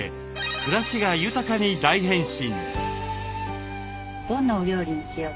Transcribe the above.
暮らしが豊かに大変身。